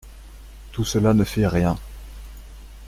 Tout cela ne fait rien.